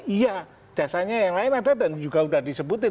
iya jasanya yang lain ada dan juga sudah disebutin